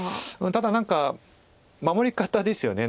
ただ何か守り方ですよね。